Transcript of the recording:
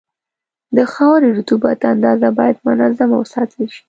د خاورې رطوبت اندازه باید منظمه وساتل شي.